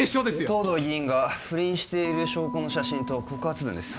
藤堂議員が不倫している証拠の写真と告発文です